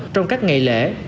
trong các ngày lễ